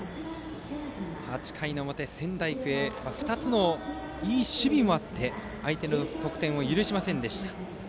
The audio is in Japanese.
８回の表、仙台育英２つのいい守備もあって相手の得点を許しませんでした。